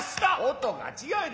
音が違うで。